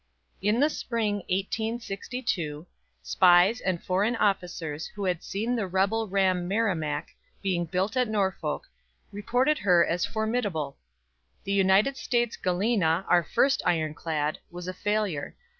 In the spring, 1862, spies and foreign officers who had seen the rebel ram Merrimac being built at Norfolk, reported her as formidable. The United States Galena, our first ironclad, was a failure.